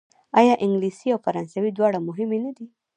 آیا انګلیسي او فرانسوي دواړه مهمې نه دي؟